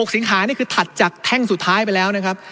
สิงหานี่คือถัดจากแท่งสุดท้ายไปแล้วนะครับ